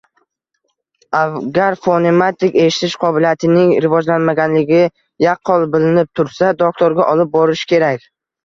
Agar fonematik eshitish qobiliyatining rivojlanmaganligi yaqqol bilinib tursa doktorga olib borish kerak.